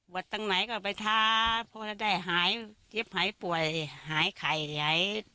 ตรงไหนก็ไปท้าพอจะได้หายเจ็บหายป่วยหายไข่ไหล